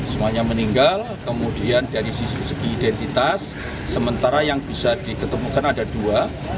semuanya meninggal kemudian dari sisi segi identitas sementara yang bisa diketemukan ada dua